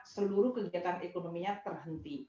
seluruh kegiatan ekonominya terhenti